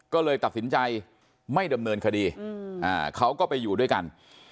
ก็เลยตัดสินใจไม่ดำเนินคดีเขาก็ไปอยู่ด้วยกัน